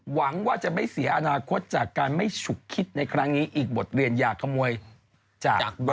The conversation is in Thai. หวังว่าจะไม่เสียอนาคตจากการไม่ฉุกคิดในครั้งนี้อีกบทเรียนอย่าขโมยจากบ้าน